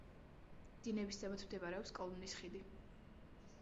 დინების ზემოთ მდებარეობს კოლომნის ხიდი.